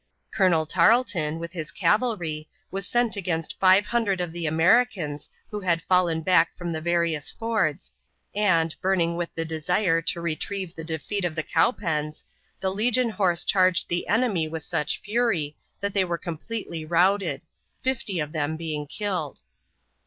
Colonel Tarleton, with the cavalry, was sent against 500 of the Americans who had fallen back from the various fords, and, burning with the desire to retrieve the defeat of the Cowpens, the legion horse charged the enemy with such fury that they were completely routed, 50 of them being killed.